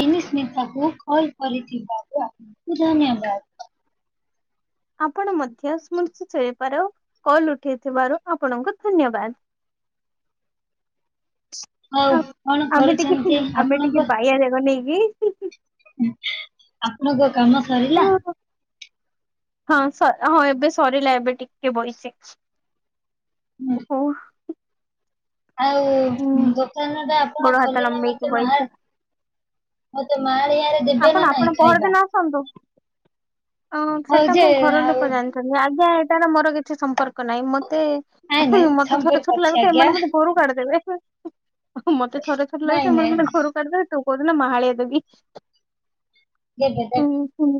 ବିନିଶ୍ମିତାକୁ call କରିିଥିବାରୁ ଆପଣଙ୍କୁ ଧନ୍ୟବାଦ। ଆପଣ ମଧ୍ୟ ସ୍ମୃତିପାର କଲ୍ ଉଠେଇ ଥିବାରୁ ଆପଣଙ୍କୁ ଧନ୍ୟବାଦ। ହଉ କଣ କରୁଛନ୍ତି ଆପଣଙ୍କ ଏ ଆଇ ରେ ବନେଇକି ଆପଣଙ୍କ କାମ ସରିଲା? ହଁ ସ ହଁ ଏବେ ସରିିଲା ଏବେ ଟିକେ ବଇଚି। ଓହୋ। ଆଉ ହୁଁ ଦୋକାନଟା ଆପଣ ଗୋଡ ହାତ ଖୋଲିଲେ ଲମ୍ବେଇକି ମତେ ବଇଚି ମାହାର ମତେ ମାହାଳିଆରେ ନା ଆପଣ ନାଇଁ ଆପଣ ଖାଇବା? ପହରଦିନ ଆସନ୍ତୁ। ଅ ହଉ ସେଟା ଯେ ମୋ ଘର ଆଉ ଲୋକ ଜାଣିଛନ୍ତି। ଆଜ୍ଞା ଏଟାର ମୋର କିଛି ସମ୍ପର୍କ ନାହିଁ। ମତେ ନାଇଁ ନାଇଁ ମତେ ଥରେ ସମ୍ପର୍କ ଛୋଟ ଅଛି ଲାଗୁଚି ଆଜ୍ଞା। ଏମାନେ ମତେ ଘରୁ କାଢିଦେବେ। ମୋତେ ଥରେ ଛୋଟ ନାଇଁ ଲାଗୁଚି ଏମାନେ ନାଇଁ ମତେ ଘରୁ କାଢିଦେବେ। ତୁ କହୁଚୁ ନା ମାହାଳିଆ ଦେବି। କେବେ ଦେବେ? ହୁଁ ହୁଁ।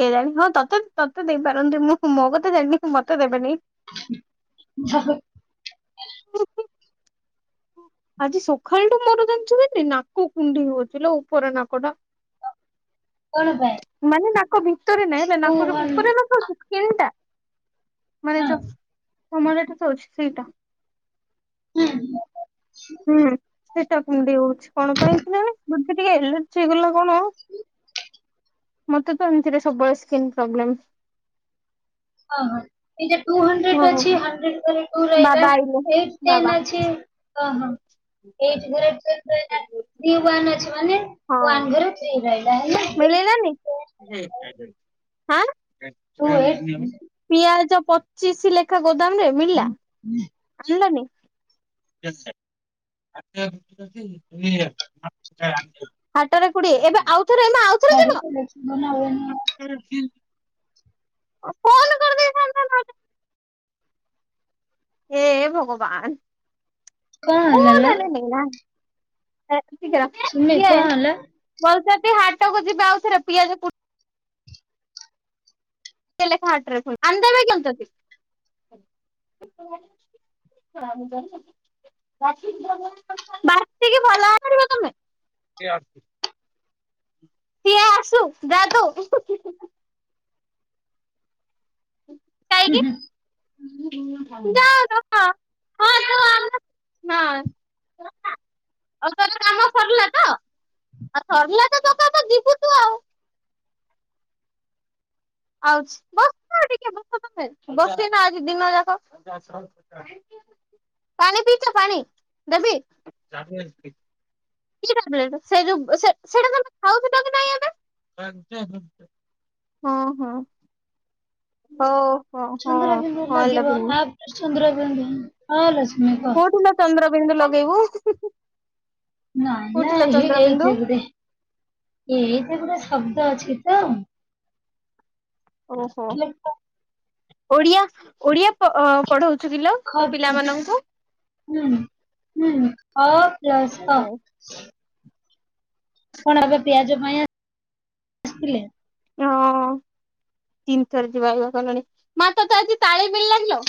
କେଜାଣି ହଁ ତତେ-ତତେ ଦେଇପାରନ୍ତି। ମୁଁ ମୋ କଥା ଜାଣିନି। ମତେ ଦେବେନି। [unintelligible] ଆଜି ସକାଳଠୁ ମୋର ଜାଣିଛୁ ଖାଲି ନାକ କୁଣ୍ଡେଇ ହଉଚିଲୋ ଉପର ନାକ ଟା। ତ ମାନେ ନାକ ଭିତରେ ନାହିଁ ହେଲା ମୁଁ ନାକ ହଁ ଉପରେ [unintelligible] ମାନେ ଯ ସମମର [unintelligible] ସେଇଟା। ହୁଁ ହୁଁ। ହୁଁ ସେଟା କୁଣ୍ଡେଇ ହଉଛି। କଣ ପାଇଁ ଥିଲେ ବଧେ ଟିକେ ଏଲର୍ଜି ହେଇଗଲା କଣ? ମତେ ତ ଏମିତିରେ ସବୁବେଳେ ସ୍କିନ୍ ପ୍ରୋବ୍ଲେମ୍। ଓହଁ ଏଇଟା ଟୁ ହଣ୍ଡ୍ରେଡ ଅଛି ହଁ ହଣ୍ଡ୍ରେଡ କରେ। ଟୁ ରହିଲା ବାବା ଆଇଲେ ଏଇଟି ବାବା। ଟେନେ ଅଛି। ଅହ ଏଇଟି ଗୁରେ ଇଏ ୱାନ ଅଛି ମାନେ ହଁ ୱାନ୍ ଘରେ ଥ୍ରୀ ରହିଲା ହେଲା। ମିଳିଲାନି। ହାଁ। ଟୁ ଏଇଟ୍ ପିଆଜ ପଚିଶି ଲେଖାଏ ଗୋଦାମ ରେ ମିଳିଲା। ହୁଁ। ଆସିଲନି। ଅଟରେ କୋଡିଏ ଏବେ ଆଉ [unintelligible] ଉ ହୁଁ। କରିଦେଇଥାନ୍ତା ନହେଲେ ଏ ଭଗବାନ। କଁ ହେଲାଲୋ? [unintelligible] ସୁମି କଣ ହେଲା? ବଲ ପାତି ହାଟକୁ ଯିବା ଆଉଥରେ ପିଆଜ ପୁ ଲେଖା ହଟରେ [unintelligible] [unintelligible] ବଟିକି ଭଲ [unintelligible] ତମେ। ସିଏ ଆସୁ ଡାକୁ। ହୁଁ ହୁଁ। [unintelligible] ନାଁ ଆଉ ତମ କାମ ସରଲା ତ। ଆଉ ସରିଲା ତ ତକାତୁ ଯିବୁ ତୁ ଆଉ। ଆଉଛି ବସ ଟିକେ ବସ ତମେ ବସିନ ଆଜି ଦିନ ଯାକ। ପାଣି ପପିଇଚ ପାଣି ଦେବି। କି ଟାବଲେଟ ସେଇଜୌ ସେ ସେଇଟା ତମେ କହୁଥିଲ କି ନାଇଁ ଏବେ [unintelligible] ହଁ ହଁ। ହଉ ହୋ ଚନ୍ଦ୍ର ବିନ୍ଧୁ ଲାଗିବ ଆପ ଚନ୍ଦ୍ର ବିନ୍ଧୁ। ହଁ ଲକ୍ମୀ କ। କୋଉଠିଲୋ ଚନ୍ଦ୍ରବିନ୍ଦୁ [unintelligible] ନାଇଁ ନା କୋଉଠିଲୋ ଏହେ ଚନ୍ଦ୍ରବିନ୍ଦୁ ଏଇଠେ ଗୋଟେ ଏଇଠି ଗୋଟେ ଶବ୍ଦ ଅଛିତ ଓହୋ ଲେଖ ଓଡିଆ ଓଡିଆ ପ ଅ ପଢ଼ୋଉ ଥିଲ ଖ ତୋ ଟେ ପିଲାମାନଙ୍କୁ। ହୁଁ ହୁଁ ଅ ପ୍ଲସ କ ହଁ କଣ ଏବେ ପିଆଜ ପାଇଁ ଆସିଥିଲେ? ତିନିଥର ଯିବା ଇଏ କଲଣି ମା ତତେ ଆଜି ତାଳି ବିିଲା ଲାଗିଲୋ।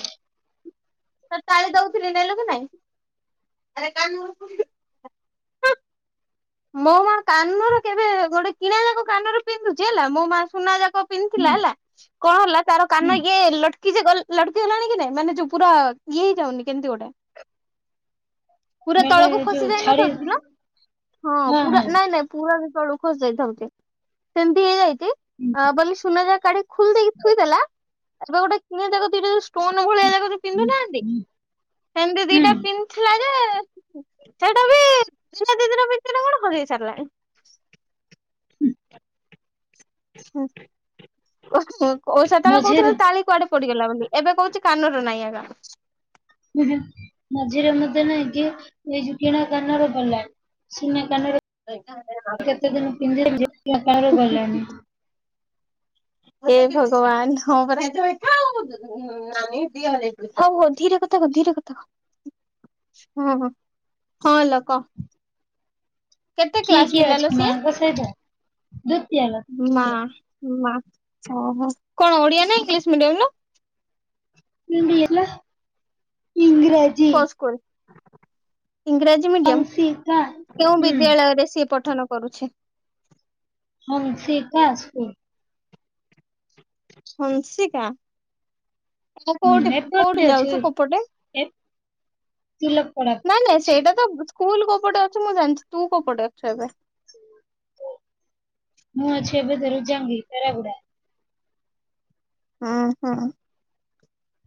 ତୋ ତାଳି ଦଉଥିଲି ନେଲୁ କି ନାଇଁ? ମୋ ମା କାନର କେବେ ଗୋଟେ କିଣା ଯାକ କାନରେ ପିନ୍ଧୁଛି ହେଲା ମୋ ମା ସୁନା ଯା କ ହୁଁ ପିନ୍ଧଥିଲା ହେଲା କଣ ହେଲା ତାର ହୁଁ କାନ ଇଏ ଲଟ କିଯେ ଗଲ ଲଡକି ହେଲାଣି କି ନାଇଁ ମାନେ ଯୋ ପୁରା ଇଏ ହେଇଯାଉନି କେମିତି ଗୋଟେ ପୁରା ବେଲେ ତଳକୁ ଖସି ଯୋଉ ଯାଇ ଛାଡି ନଥାଉ [unintelligible] ହଁ ପୁରା ନାଇଁ ନାଇଁ ପୁରାଯେ ତଳକୁ ଖସ ଯାଇଥାଉଚି ସେମିତି ହେଇଯାଇ ବୋଲି ସୁନା ଯା କାଢ଼ି ଖୋଲିଲ ଦେଇକି ଥୁଇ ଦେଲା [unintelligible] ଷ୍ଟୋନ ଭଳିଆ ପିନ୍ଧୁ ନାହାନ୍ତି ସେମିତି ହୁଁ ଦିଇଟା ପିନ୍ ସେଇଟାବି [unintelligible] କଣ ଖୋଲି ହେଇ ସାରିଲାଣି ହୁଁ। [inaudible] ସେତେବେଳ ମଝିରେ କହୁଥିଲା ତାଳି କୁଆଡେ ପଡିଗଲା ବୋଲି ଏବେ କହୁଛି କାନରୁ ନଇ ଏଗା। ଉଁହୁ ମଝିରେ ମୁଦେ ନାଇଁ କି ଏଇ ଯୋଉ କିଣା କାନର ଗଲାଏ ସୁନା କାନରେ କେତେଦିନ ପିନ୍ଧି [inaudible] କାହାର ଗଲଣିି। ଏ ଭଗବାନ ହଁ ପରା ହଉ ହଉ ଧୀରେ କଥା କ ଧୀରେ କଥା କ। ହଁ ହଁ ହଁ ଲୋ କହ। କେତେ କିଏ କ୍ଲାସ କିଏ ପିଲାଲୋ ଅଛ ସିଏ? ମାଙ୍କ ସହିତ ଦତିଆଲ ମା ମା ଓହୋ କଣ ଓଡିଆ ନା ଇଂଲିଶ ମିଡିୟମ ନା? ହଡିଲା ଇଂରାଜ କ ସ୍କୁଲ ଇଂରାଜୀ ଅଂଶିକା। ମିଡିୟମ କେଉଁ ହୁଁ ବିଦ୍ୟାଳୟରେ ସିଏ ପଠନ କରୁଛି? [unintelligible] ହଂଶିକାସକୁ ହଂସିକା। ଆ ହୁଁ କୋଉଠି ଏପଟେ କୋଉଠି ଅଛି। ଯାଉଛୁ କୋପଟେ। ତିିଲ ପରା ନାଇଁ ନାଇଁ [unintelligible] ସେଇଟା ତ ସ୍କୁଲ କୋଉଟ ଅଛି ମୁଁ ଜାଣିଛି ତୁ କଉପଟେ ଅଛୁ ଏବେ? ମୁଁ ଅଛି ଏବେ ବେଲ୍ ଯ୍ୟାଗ୍ ଭିତରେ ଗୁଡା। ହୁଁ ହୁଁ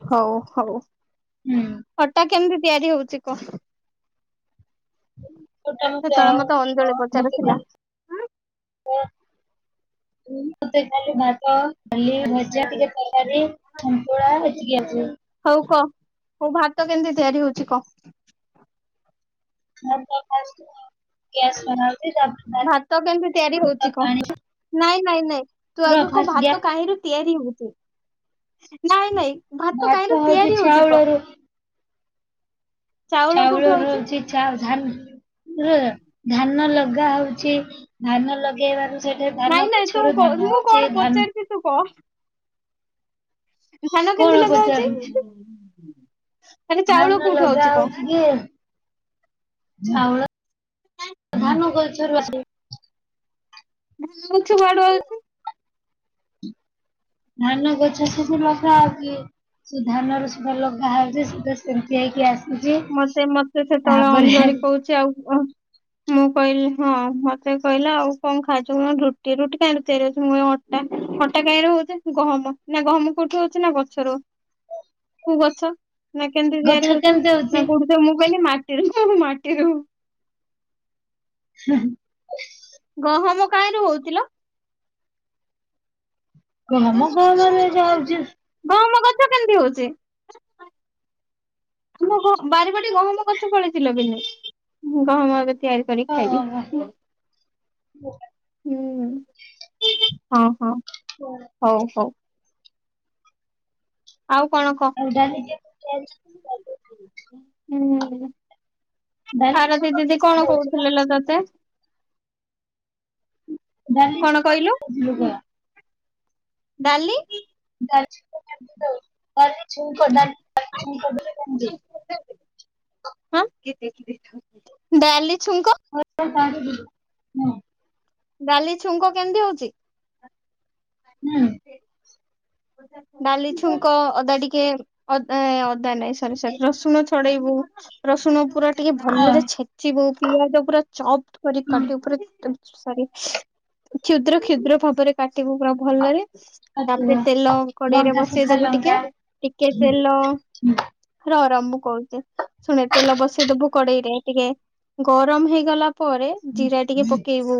ହଉ ହଉ ହଟା। କେମିତି ତିଆରି ହଉଛି କ? ହୁଁ ଛୋଟ ସେତେବେଳେ ଆଉ ମତେ ଅଞ୍ଜଳି ପଚାରୁ ଥିଲା। ଓ ମତେ ଖାଲି ଭାତ ଡାଲି ଭଜା ଟିକେ ତରକାରୀ ସନ୍ତୁଳା ହେଇଚିକି ଆଜି? ହଉ କହ ମୁ ଭାତ କେମିତି ତିଆରି ହଉଛି କହ? [unintelligible] ବନାଉଛି ତାପରେ ଭାତ କେମିତି ତିଆରି ହଉଛି କ? ପାଣି ନାଇଁ ନାଇଁ ନାଇଁ ତୁ ପୁରା ଆଗ କ ଫାଷ୍ଟ ଗ୍ୟା ଭାତ କାହିଁରୁୁ ତିଆରି ହଉଚି? ନାଇଁ ନାଇଁ ଭାତ କାହିଁରେ ତିଆରି ହଉଛି କ? ଚାଉଳ କୋଉଠୁ ରୁ ଆଉଛି ହଉଛି। ଆଛା ଧାନ ଧାନ ଲଗା ହଉଛି ଧାନ ଲଗେଇବାର ସେଠି ଧାନ ନାଇଁ ନାଇଁ ତୁ ପଛରୁ ଧାନ ମୁଁ ହଉଛି କଣ ଧାନ ପଚାରିଛି ତୁ ବ। ଧାନ କଣ କେମିତି ପଚାରୁଛି ଲଗାହଉଚି। ଧାନ ଲଗା ହଉଛି କି ଛଉଳ ଧାନ ଗଛ ରୁ ଆସେ। [inaudible] ଧାନ ଗ [unintelligible] ଧାନ ର ସୁଧା ଲଗା ହଉଛି ସେମିତି ହେଇକି ଆସ ମତେ ମତେ ସେ ତଳେ ଅଞ୍ଜଳି କହୁଛି ଆଉ ମୁଁ କହିଲି ହଁ ମତେ କହିଲା ଆଉ କଣ ଖାଇଛୁ କ ରୁଟି ରୁଟି କାଇଁରେ ତିଆରି ଅଛି ମୁ ଅ ଟା ଅଟା କାଇଁରେ ହଉଛି ଗହମ ନା ଗହମ କୋଉଠୁ ହଉଛି ନା ଗଛରୁ। ହ। କୋଉ ଗଛ ନା କେମିତି ତିଆରି ଗଛ ହଉଛି? କେମିତି ନା ମୁଁ କୋଉଠୁ କହିଲି ମାଟିରୁ ତ ମାଟିରୁ ହୁଁ। ଗହମ କାହିଁରେ ହଉଥିଲ? ଗହମ ଗହମରୁ ଏକା ହଉଛି [unintelligible] ଗହମ ଗଛ କେମିତି ହଉଛି? ତମ ବାରିପଟେ ଗହମ ଗଛ ପଳେଇଥିଲ ବିନୁ ଗହମ ଏବେ ତିଆରି କରିକି ଖାଇବି। ଓହୋ। ହୁଁ ହଁ ହଁ ହଉ ହଉ ଆଉ କଣ କହ? ଆଉ ଡାଲି କେମିତି ତିଆରି ଡାଲି ଛକ ଆାରତୀ ଦିଦି କେମିତି କଣ ଦଉଥିଲ? କହୁଥିଲେ ଲ ତତେ? ଡାଲି କଣ ଛୁଙ୍କ କହିଲୁ କେମିତି ଦଉଥିଲୁ କହ? ଡାଲି ଛଛୁ ପ [unintelligible] [unintelligible] ହଁ ଡାଲିଛୁଙ୍କ ହ ତା ଡାଲି ଛୁଙ୍କ କେମିତି ହଉଛି? ହୁଁ ଡାଲି ହୁଁ। ଛୁଙ୍କ ଅଦା ଟିକେ ଅଦା ଅଦା ନାଇଁ ସରି ସରି ରସୁଣ ଛଡେଇବୁ ରସୁଣ ପୁରା ଟିକେ ଭଲରେ ଛେ ିବ ପିଆଜ ପୁରା ଚପ କରି କାଟୀ ଲଙ୍କା ସରି। କ୍ଷୁଦ୍ର କ୍ଷୁଦ୍ର ଭାବରେ କାଟିବୁ ପୁରା ଭଲରେ। ଆଜ ତାପରେ ତେଲ କଡେଇ ରେ ବସେଇଦବୁ ଟିକେ। ଟିକେ ତେଲ ର ର ମୁଁ କହୁଛି। ଶୁଣେ ତେଲ ବସେଇଦବୁ କଡେଇରେ ଟିକେ। ଗରମ ହେଇଗଲା ପରେ ଜିରା ଟିକେ ପକେଇବୁ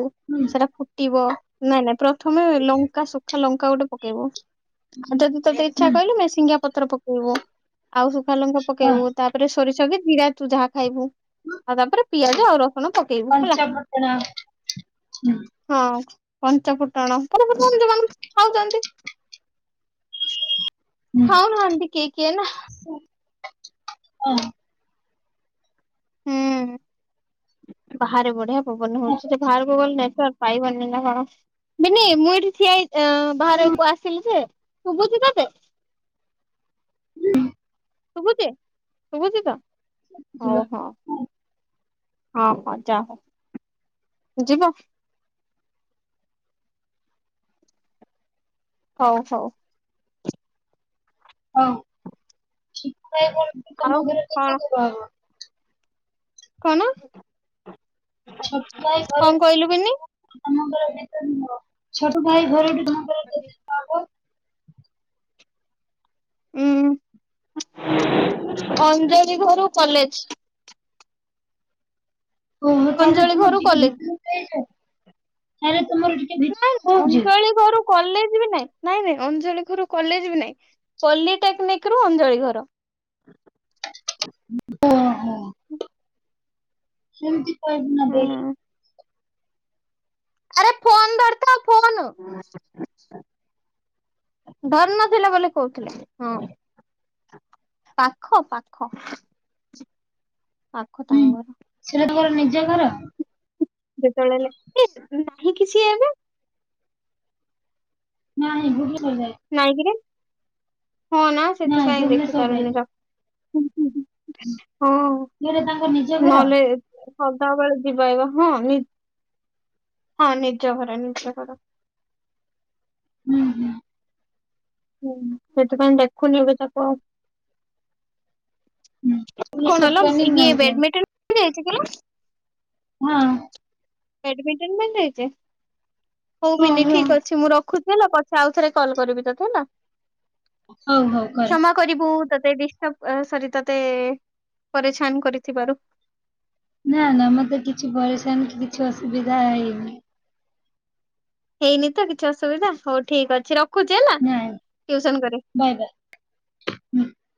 ସେଟା ଫୁଟିବ। ନାଇଁ ନାଇଁ ପ୍ରଥମେ ଲଙ୍କା ସୁୁଖା ଲଙ୍କା ଗୋଟେ ପକେଇବୁ। ଆଉ ଯଦି ତୋତେ ଇଚ୍ଛା କହିଲୁ ମେ ସିଙ୍ଗା ପତ୍ର ପକେଇବୁ। ଆଉ ସୁଖା ଲଙ୍କ ପକେଇବୁ। ତାପରେ ସୋରିଷଙ୍କେ ଜିରା ତୁ ଯାହା ଖାଇବୁ ଆଉ ତାପରେ ପିଆଜ ଆଉ ରସୁଣ ପ ପଞ୍ଚ ପଟଣା ହଁ ପଞ୍ଚ ଫୁଟଣ [unintelligible] ଖାଉଛନ୍ତି। ଖାଉନହାନ୍ତି କେ କି ନା। ହଁ ହୁଁ, ବାହାରେ ବଢିଆ ପବନ ହଉଛି ସେ ବାହାରକୁ ଗଲେ ନେଚର ପାଇବାରନି ନା କଣ? ନି ମୁଁ ଏଠି ିଆ ବାହାରେ ଆସିଲି ଯେ ଶୁଭୁଛି ତତେ? ଶୁଭୁଛି ଶୁଭୁଛି ତ? ହଉ ହଁ ହଁ ମଁ ଯା ହ ଯିବ? ହଉ ହଉ ହଁ ଠ ଆଉ ତମ ଘରେ କେତ କଣ [unintelligible] କନ? ଛୋଟ ଭାଇ ଘର ବିନି ତମ ଘର କେତେ ଦୂର ହବ? ଛଟ ଭାଇ ଘରେଠୁ ତମ ଘର କେତେ ଦୂର ହବ? ଉଁ ଅଞ୍ଜଳି ଘରୁ କଲେଜ। ଓହୋ ତାହେଲେ ଅଞ୍ଜଳି ତମର ଘରୁ ଟିକେ କଲେଜ ଭିତରେ ହେଇଛ? ତାେଲେ ତମର ଟ ନାଇଁ ଅଞ୍ଚଳ ଘରୁ କଲେଜ ବି ନାଇଁ, ନାଇଁ ନାଇଁ ଅଞ୍ଚଳି ଘରୁ କଲେଜ ବି ନାଇଁ। ପଲିଟେକ୍ନିକ ରୁ ଅଞ୍ଜଳି ଘର। ଓ ହୋ ସେମିତି କହିବୁ ନାବେ ହୁଁ ଆରେ ଫୋନ୍ ଦରତା ଫୋନ। ଧର୍ ନଥିଲା ବୋଲି କହୁଥିଲେ। ହଁ ପାଖ ପାଖ ପାଖ ହୁଁ ତାଙ୍କର ସେଟା ତୁମର ନିଜ ଘର? ଯେତେବେଳେ ହୋଗ ନାହିଁ କିଛି ଏବେ ନା ଏଇଗୁ ହି କ ଯା ନାଇଁକିରେ ହଁ ନା ନାଇଁ ସେଥିପାଇଁ ଭୁବନେଶ୍ଵର ଯାଇଥିଲି। ଦେଖିପାରୁନି ର ହଁ ସେଇଟା ତାଙ୍କ ନିଜ ଘର? ନହେଲେ ସଦା ବେଳେ ଯିବା ଆବା ହଁ ହଁ ନିଜ ଘରେ ନିଜ ଘର। ହୁଁ ହୁଁ ହୁଁ ସେଥିପାଇଁ ଦେଖୁନି ଏବେ ତାକୁ ଆଉ। ହୁଁ ଭୁବନେଶ୍ୱର କଣ ହେଲା ଟ୍ରେନିଂ ଇଏ ନଉଛନ୍ତି ବେଡମିଣ୍ଟନ୍ ଖେଳି ଯାଇଛି କି ନା? ହଁ। ଏଇଠି [unintelligible] ନେଇଚି ହୋଉ ହଁ ବିନି ହଁ ଠିକ ଅଛି ମୁଁ ରଖୁ ହେଲା ପଛେ ଆଉଥରେ କଲ୍ କରିବି ତତେ ହେଲା। ହଉ ହଉ କର। କ୍ଷମା କରିବୁ ତତେ ଡିଷ୍ଟବ୍ ସରି ତତେ ପରିଛାନ୍ କରିଥିବାରୁ। ନା ନା ମତେ କିଛି ପରିସାନ୍ କି କିଛି ଅସୁବିଧା ହେଇନି। ହେଇନି ତ କିଛି ଅସୁବିଧା ହୋଉ ଠିକ ଅଛି ରଖୁଚି ହେଲା ଟ୍ୟୁସନ କରି ବାୟ ବାୟ।